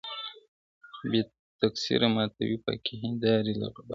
بې تقصیره ماتوې پاکي هینداري له غباره,